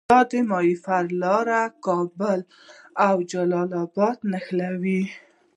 د ماهیپر لاره کابل او جلال اباد نښلوي